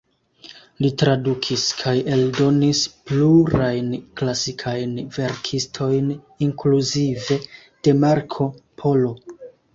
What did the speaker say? Li tradukis kaj eldonis plurajn klasikajn verkistojn, inkluzive de Marko Polo.